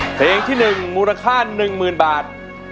เพลงที่๑มูลค่า๑๐๐๐บาท